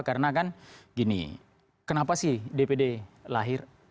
karena kan gini kenapa sih dpd lahir